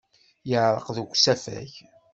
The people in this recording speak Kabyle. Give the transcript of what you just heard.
Yeɛreq deg usafag.